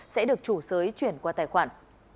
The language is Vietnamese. sẽ được chủ sới chuyển qua tài khoản